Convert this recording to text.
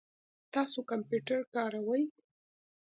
تاسو کمپیوټر کاروئ؟